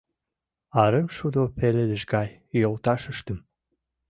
Арымшудо пеледыш гай йолташыштым